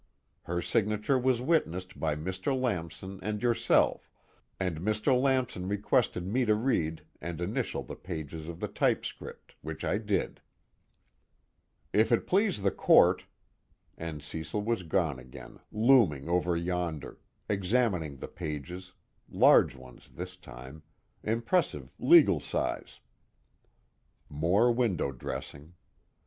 Her signature was witnessed by Mr. Lamson and yourself, and Mr. Lamson requested me to read and initial the pages of the typescript, which I did." "If it please the Court " and Cecil was gone again, looming over yonder, examining the pages, large ones this time, impressive legal size. More window dressing.